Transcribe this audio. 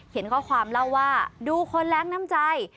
ข้อความเล่าว่าดูคนแรงน้ำใจ